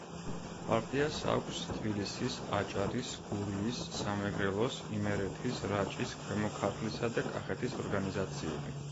პარტიას აქვს თბილისის, აჭარის, გურიის, სამეგრელოს, იმერეთის, რაჭის, ქვემო ქართლისა და კახეთის ორგანიზაციები.